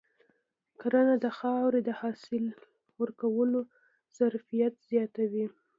کرنه د خاورې د حاصل ورکولو ظرفیت زیاتوي.